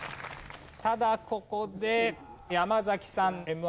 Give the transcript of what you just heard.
ただここで山崎さんＭ−１